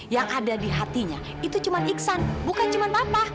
yang ada di hatinya itu cuma iksan bukan cuma mama